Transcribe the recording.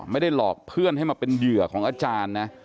ไม่ได้หลอกเพื่อนให้มาเป็นเหยื่อของอาจารย์นะ